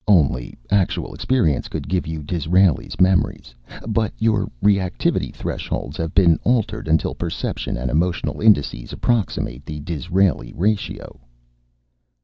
Only actual experience could give you Disraeli's memories, but your reactivity thresholds have been altered until perception and emotional indices approximate the Disraeli ratio."